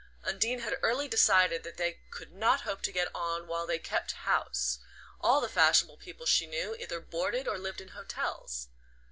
Undine had early decided that they could not hope to get on while they "kept house" all the fashionable people she knew either boarded or lived in hotels.